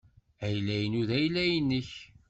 Ayla-inu d ayla-nnek.